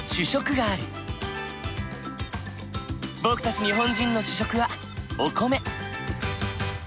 僕たち日本人の主食はお米。